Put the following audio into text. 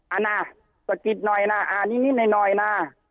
นะสะกิดหน่อยนะอ่านนิดหน่อยนะ